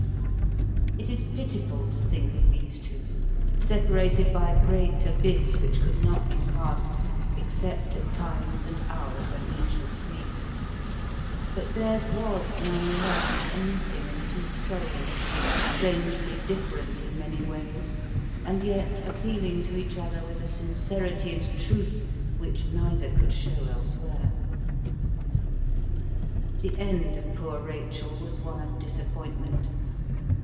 It is pitiful to think of these two, separated by a great abyss which could not be passed except at times and hours when each was free. But theirs was, none the less, a meeting of two souls, strangely different in many ways, and yet appealing to each other with a sincerity and truth which neither could show elsewhere. The end of poor Rachel was one of disappointment.